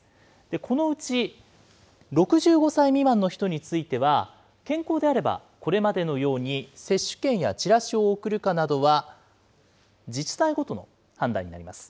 このうち６５歳未満の人については、健康であれば、これまでのように接種券やチラシを送るかなどは、自治体ごとの判断になります。